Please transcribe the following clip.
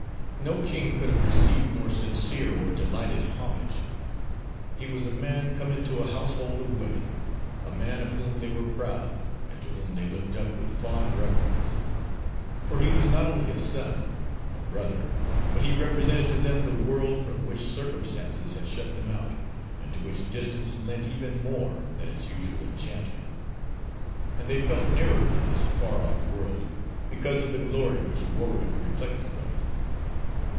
No king could have received more sincere or delighted homage. He was a man, come into a household of women, a man of whom they were proud, and to whom they looked up with fond reverence. For he was not only a son, a brother but he represented to them the world from which circumstances had shut them out, and to which distance lent even more than its usual enchantment; and they felt nearer to this far off world because of the glory which Warwick reflected from it.